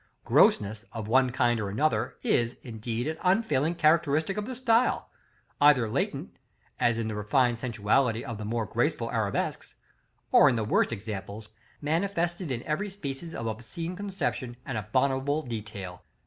Grossness, of one kind or another, is, indeed, an unfailing characteristic of the style; either latent, as in the refined sensuality of the more graceful arabesques, or, in the worst examples, manifested in every species of obscene conception and abominable detail.